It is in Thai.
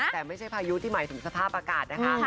แต่ไม่ใช่พายุที่หมายถึงสภาพอากาศนะคะ